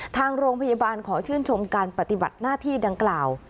ทางโรงพยาบาลขอชื่นชมการปฏิบัติหน้าที่ดังกล่าว